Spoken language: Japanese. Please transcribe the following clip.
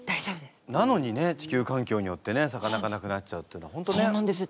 なのにね地球環境によってね魚がなくなっちゃうっていうのは本当ね。